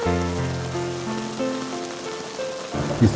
kalau dia ditemukan dia akan kasih snek